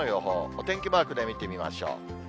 お天気マークで見てみましょう。